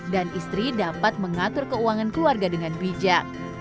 dan istri dapat mengatur keuangan keluarga dengan bijak